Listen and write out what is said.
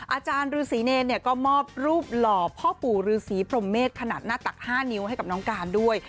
อาจารย์ฤษีเนรก็มอบรูปหล่อพ่อปู่ฤษีพรมเมษขนาดหน้าตัก๕นิ้วให้กับน้องการด้วย